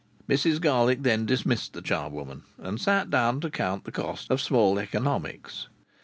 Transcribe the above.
Mrs Garlick then dismissed the charwoman, and sat down to count the cost of small economics.